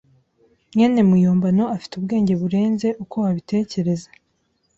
mwene muyombano afite ubwenge burenze uko wabitekereza.